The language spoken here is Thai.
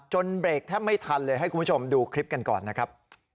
เบรกแทบไม่ทันเลยให้คุณผู้ชมดูคลิปกันก่อนนะครับ